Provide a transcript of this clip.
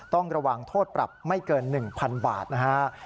ต้องระวังโทษปรับไม่เกิน๑๐๐๐บาทนะฮะ